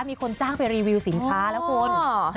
มีคนจ้างไปรีวิวสินค้าแล้วคุณ